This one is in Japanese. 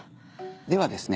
ではですね